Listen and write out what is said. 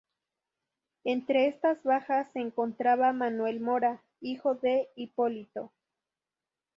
Entre estas bajas se encontraba Manuel Mora, hijo de Hipólito.